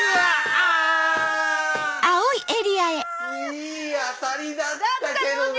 いい当たりだったけどね！